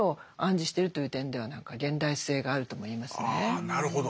あなるほど。